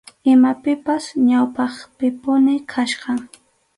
Imapipas ñawpaqpipuni kachkan.